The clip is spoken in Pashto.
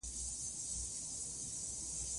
مېوې د افغانانو د فرهنګي پیژندنې برخه ده.